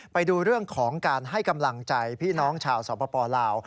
ไปดูเรื่องของการให้กำลังใจพี่น้องชาวสปลาว